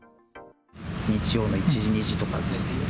日曜の１時、２時とかですね。